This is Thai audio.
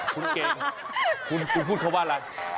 คุณเก่งคุณพูดคำว่าอะไร